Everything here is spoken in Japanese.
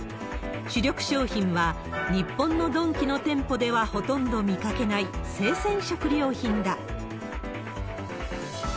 主力商品は、日本のドンキの店舗ではほとんど見かけない、生鮮食料品だ。